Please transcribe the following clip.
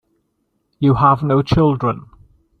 You have no children.